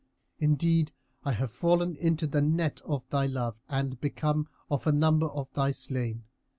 Indeed, I have fallen into the net of thy love and am become of the number of thy slain.